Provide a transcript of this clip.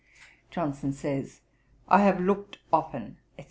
Johnson says: 'I have looked often,' &c.